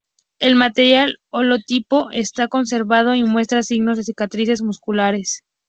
El material holotipo está bien conservado y muestra signos de cicatrices musculares.